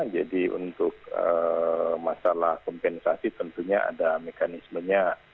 jadi untuk masalah kompensasi tentunya ada mekanismenya